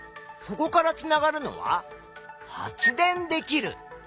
そこからつながるのは「発電できる」。